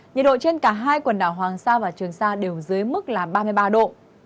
nhiệt độ trên cả hai quần đảo hoàng sa và trường sa đều dưới mức là ba mươi ba độ